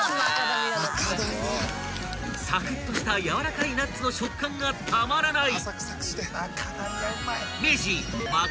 ［サクッとした軟らかいナッツの食感がたまらない］